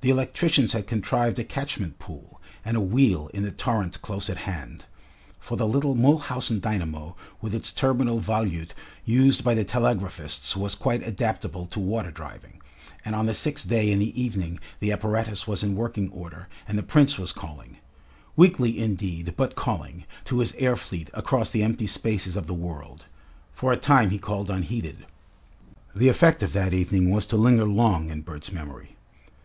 The electricians had contrived a catchment pool and a wheel in the torrent close at hand for the little Mulhausen dynamo with its turbinal volute used by the telegraphists was quite adaptable to water driving, and on the sixth day in the evening the apparatus was in working order and the Prince was calling weakly, indeed, but calling to his air fleet across the empty spaces of the world. For a time he called unheeded. The effect of that evening was to linger long in Bert's memory.